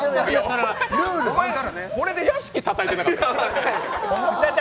お前、これで屋敷たたいてなかった？